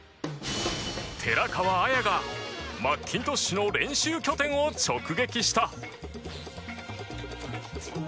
寺川綾がマッキントッシュの練習拠点を直撃した。